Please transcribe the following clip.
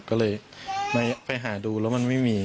ก็เลยไปหาดูแล้วมันไม่มี